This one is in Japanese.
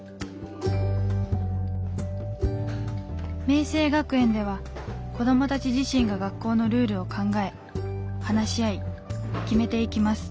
明晴学園では子どもたち自身が学校のルールを考え話し合い決めていきます。